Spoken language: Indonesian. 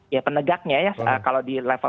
ya penegaknya ya kalau di level